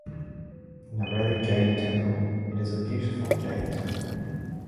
Nareli Jain Temple: It is a beautiful Jain temple.